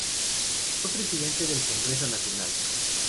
Fue presidente del Congreso Nacional.